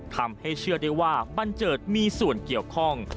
ทำให้เชื่อได้ว่าบันเจิดมีส่วนเกี่ยวข้อง